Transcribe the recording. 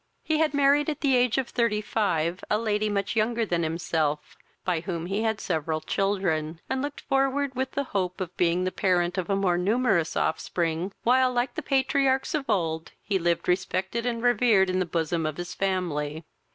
He had married at the age of thirty five a lady much younger than himself, by whom he had several children, and looked forward with the hope of being the parent of a more numerous offspring, while, like the patriarchs of old, he lived respected and revered in the bosom of his family.